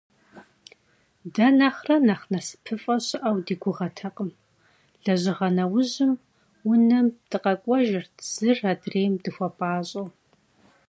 Дэ нэхърэ нэхъ насыпыфӀэ щыӀэу ди гугъэтэкъым: лэжьыгъэ нэужьым унэм дыкъэкӀуэжырт, зыр адрейм дыхуэпӀащӀэу.